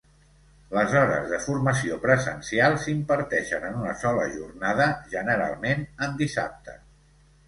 Les hores de formació presencial s'imparteixen en una sola jornada, generalment en dissabte.